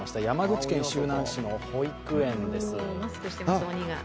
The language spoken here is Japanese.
山口県周南市の保育園です。